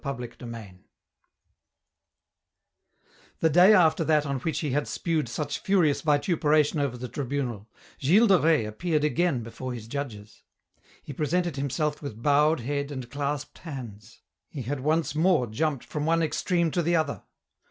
CHAPTER XVIII The day after that on which he had spewed such furious vituperation over the Tribunal, Gilles de Rais appeared again before his judges. He presented himself with bowed head and clasped hands. He had once more jumped from one extreme to the other.